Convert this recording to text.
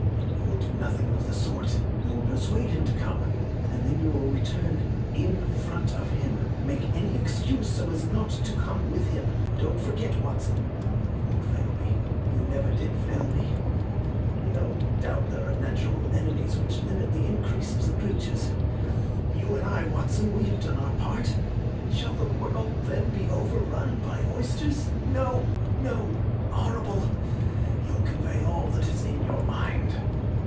"You will do nothing of the sort. You will persuade him to come. And then you will return in front of him. Make any excuse so as not to come with him. Don't forget, Watson. You won't fail me. You never did fail me. No doubt there are natural enemies which limit the increase of the creatures. You and I, Watson, we have done our part. Shall the world, then, be overrun by oysters? No, no; horrible! You'll convey all that is in your mind."